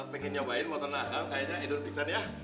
pengen nyobain motornya akang kayaknya hidup bisa ya